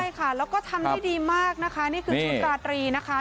ใช่ค่ะแล้วก็ทำได้ดีมากนะคะนี่คือชุดราตรีนะคะ